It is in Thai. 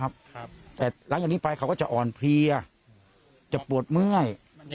ครับแต่หลังจากนี้ไปเขาก็จะอ่อนเพลียจะปวดเมื่อย